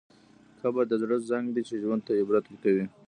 قبر د زړه زنګ دی چې ژوند ته عبرت ورکوي.